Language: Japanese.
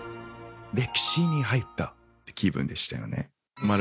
歴史に入った気分でしたよね。